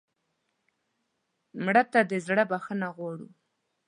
مړه ته د زړه بښنه غواړو